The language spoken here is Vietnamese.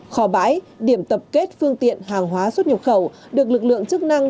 kho bãi điểm tập kết phương tiện hàng hóa xuất nhập khẩu được lực lượng chức năng